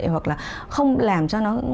hoặc là không làm cho nó